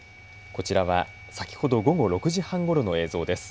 こちらは先ほど午後６時半ごろの映像です。